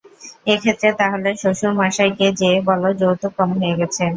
এক্ষেত্রে তাহলে, শ্বশুর মশাই কে যেয়ে বলো যৌতুক কম হয়ে গেছে।